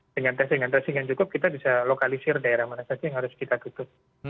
dengan testing tracing yang cukup kita bisa lokalisir daerah mana saja yang harus kita tutup